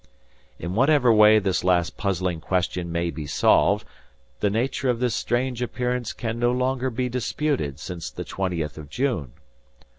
"In whatever way this last puzzling question may be solved, the nature of this strange appearance can no longer be disputed since the twentieth of June.